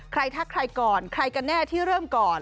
ทักใครก่อนใครกันแน่ที่เริ่มก่อน